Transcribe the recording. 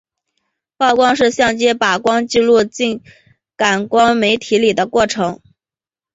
曝光是相机把光记录进感光媒体里的过程。